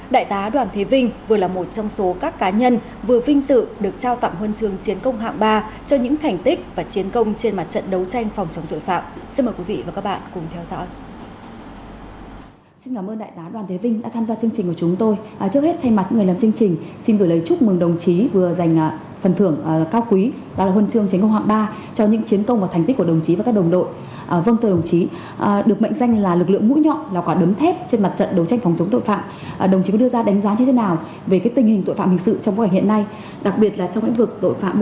đại tá đoàn thế vinh vừa là một trong số các cá nhân vừa vinh sự được trao cặm huân trường chiến công hạng ba cho những thành tích và chiến công trên mặt trận đấu tranh phòng chống tội phạm